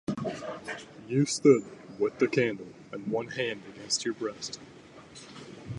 You stood with the candle and one hand against your breast.